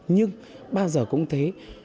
nhưng bao giờ cũng thế